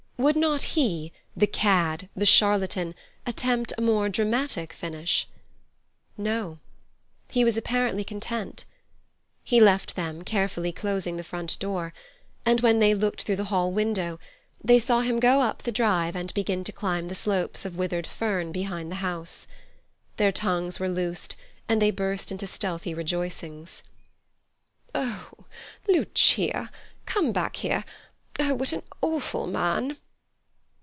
Would not he, the cad, the charlatan, attempt a more dramatic finish? No. He was apparently content. He left them, carefully closing the front door; and when they looked through the hall window, they saw him go up the drive and begin to climb the slopes of withered fern behind the house. Their tongues were loosed, and they burst into stealthy rejoicings. "Oh, Lucia—come back here—oh, what an awful man!"